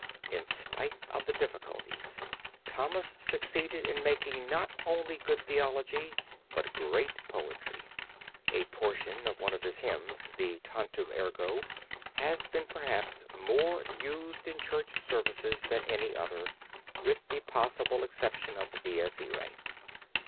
In spite of the difficulties, Thomas succeeded in making not only good theology but great poetry. A portion of one of his hymns, the Tantum Ergo, has been perhaps more used in church services than any other, with the possible exception of the Dies Irae.